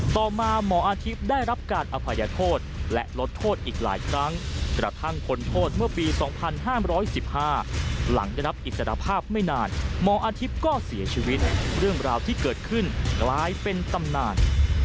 ต่อมาหมออาทิตย์ได้รับการอภัยโทษและลดโทษอีกหลายครั้งกระทั่งพ้นโทษเมื่อปี๒๕๑๕หลังได้รับอิสรภาพไม่นานหมออาทิตย์ก็เสียชีวิตเรื่องราวที่เกิดขึ้นกลายเป็นตำนาน